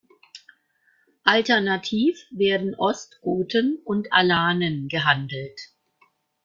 Alternativ werden Ostgoten und Alanen gehandelt.